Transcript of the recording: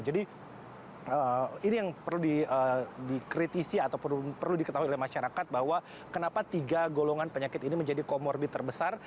jadi ini yang perlu dikritisi atau perlu diketahui oleh masyarakat bahwa kenapa tiga golongan penyakit ini menjadi comorbid terbesar